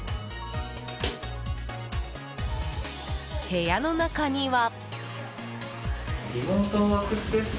部屋の中には。